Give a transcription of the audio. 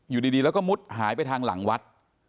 อยู่ดีแล้วก็มุดหายไปทางหลังวัด